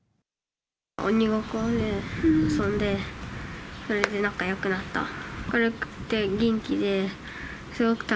鬼ごっこで遊んで、それで仲よくなった。